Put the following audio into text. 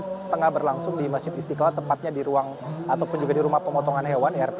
setengah berlangsung di masjid istiqlal tepatnya di rumah pemotongan hewan